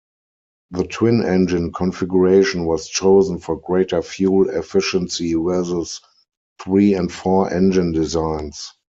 The twin-engine configuration was chosen for greater fuel efficiency versus three- and four-engine designs.